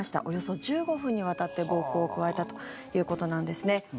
およそ１５分にわたって、暴行を加えたということなんですね。